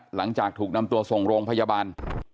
หลังจากถูกนำตัวส่งโรงพยาบาล